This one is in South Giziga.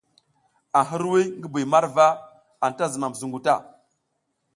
A hirwuy ngi bi marwa, anta zumam zungu ta.